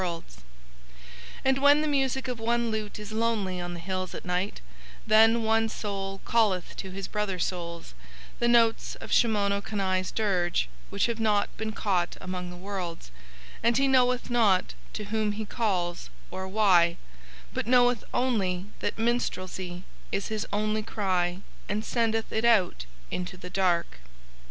[Illustration: The Dirge of Shimono Kani] "And when the music of one lute is lonely on the hills at night, then one soul calleth to his brother souls—the notes of Shimono Kani's dirge which have not been caught among the worlds—and he knoweth not to whom he calls or why, but knoweth only that minstrelsy is his only cry and sendeth it out into the dark.